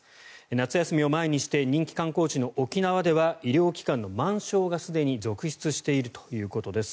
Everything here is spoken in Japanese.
夏休みを前にして人気観光地の沖縄では医療機関の満床がすでに続出しているということです。